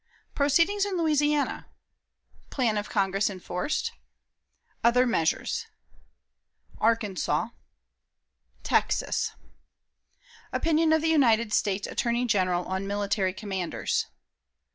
Proceedings in Louisiana. Plan of Congress enforced. Other Measures. Arkansas. Texas. Opinion of the United States Attorney General on Military Commanders.